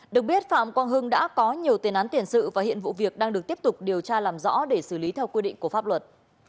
được biết phạm quang hưng đã có nhiều tiền án tiền sự và hiện vụ việc đang được tiếp tục điều tra làm rõ để xử lý theo quy định của pháp luật